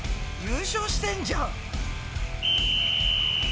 優勝してんじゃん！